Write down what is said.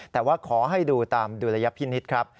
แต่ว่าขอให้ดูตามดุลยพินิษฐ์ครับ